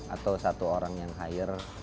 atau satu orang yang hire